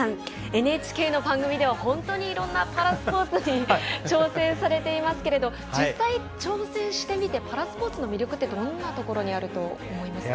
ＮＨＫの番組では本当にいろいろなパラスポーツに挑戦されていますけれども実際、挑戦してみてパラスポーツの魅力ってどんなところにあると思いますか。